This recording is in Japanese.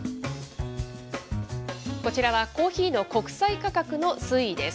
こちらはコーヒーの国際価格の推移です。